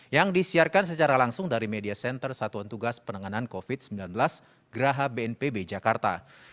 yang disiarkan secara langsung dari media center satuan tugas penanganan covid sembilan belas graha bnpb jakarta